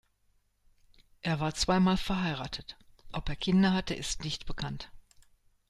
Er war zweimal verheiratet; ob er Kinder hatte, ist nicht bekannt.